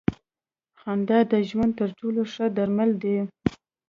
خندا د ژوند تر ټولو ښه درمل دی.